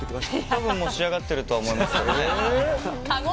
多分もう仕上がってるとは思いますけど。